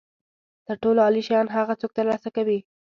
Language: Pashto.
تر ټولو عالي شیان هغه څوک ترلاسه کوي.